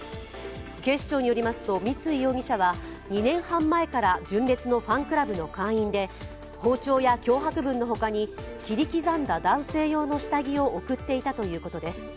警視庁によりますと、三井容疑者は２年半前から純烈のファンクラブの会員で、包丁や脅迫文の他に切り刻んだ男性用の下着を送っていたということです。